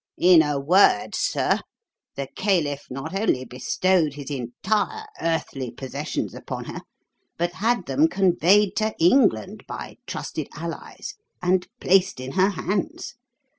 In a word, sir, the caliph not only bestowed his entire earthly possessions upon her, but had them conveyed to England by trusted allies and placed in her hands.